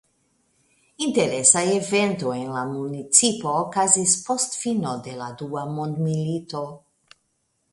Interesa evento en la municipo okazis post fino de la dua mondmilito.